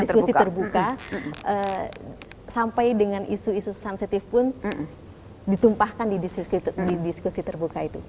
diskusi terbuka sampai dengan isu isu sensitif pun ditumpahkan di diskusi terbuka itu